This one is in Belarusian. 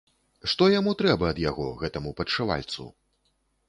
Што яму трэба ад яго, гэтаму падшывальцу?